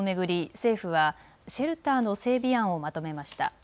政府はシェルターの整備案をまとめました。